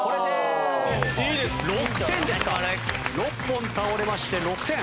６本倒れまして６点。